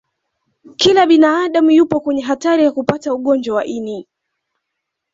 kila binadamu yupo kwenye hatari ya kupata ugonjwa wa ini